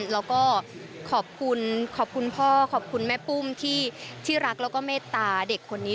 แล้วก็ขอบคุณขอบคุณพ่อขอบคุณแม่ปุ้มที่รักแล้วก็เมตตาเด็กคนนี้